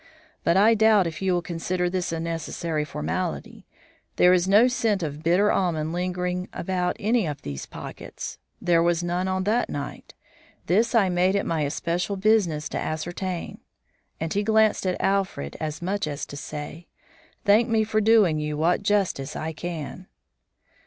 "But I doubt if you will consider this a necessary formality. There is no scent of bitter almonds lingering about any of these pockets. There was none on that night. This I made it my especial business to ascertain." And he glanced at Alfred as much as to say, "Thank me for doing you what justice I can."